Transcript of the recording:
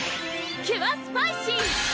キュアスパイシー！